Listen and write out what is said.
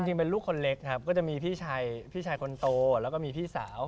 จริงเป็นลูกคนเล็กครับก็จะมีพี่ชายคนโตแล้วก็มีพี่สาว